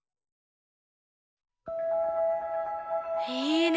いいね。